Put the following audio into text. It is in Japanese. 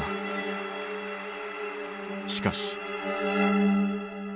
しかし。